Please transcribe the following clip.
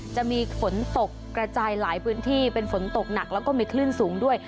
จะมีฝนตกกระจายหลายพื้นที่เป็นฝนตกหนักแล้วก็มีคลื่นสูงด้วย